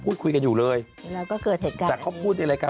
พูดคุยกันอยู่เลยแล้วก็เกิดเหตุการณ์แต่เขาพูดในรายการ